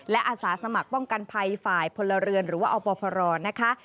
และอาสาสมัครป้องกันภัยฝ่ายพลเรือนหรือว่าอปพรนะคะ